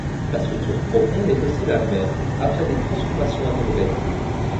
La structure profonde est aussi la même après des transformations interrogatives.